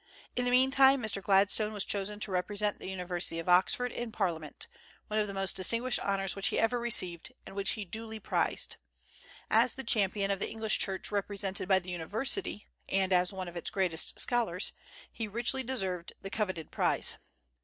In the meantime, Mr. Gladstone was chosen to represent the University of Oxford in Parliament, one of the most distinguished honors which he ever received, and which he duly prized. As the champion of the English Church represented by the University, and as one of its greatest scholars, he richly deserved the coveted prize.